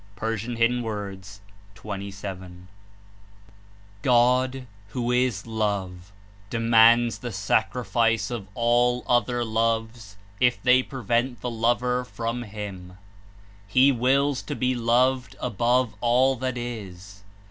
(P.27.) 14 6 God, who is Love, demands the sacrifice of all other loves if they prevent the lover from Him. "He wills to be loved above all that is."